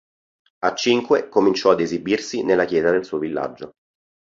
A cinque cominciò ad esibirsi nella chiesa del suo villaggio.